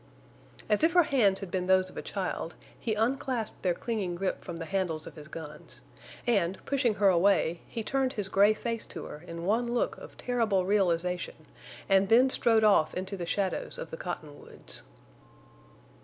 As if her hands had been those of a child, he unclasped their clinging grip from the handles of his guns, and, pushing her away, he turned his gray face to her in one look of terrible realization and then strode off into the shadows of the cottonwoods.